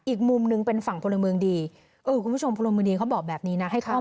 อีกมุมหนึ่งเป็นฝั่งพระรมีดี